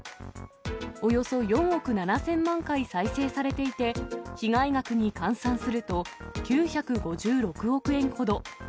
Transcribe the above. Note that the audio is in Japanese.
およそ４億７０００万回再生されていて、被害額に換算すると、９５６億円ほど。